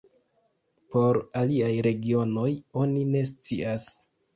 Por aliaj regionoj oni ne scias.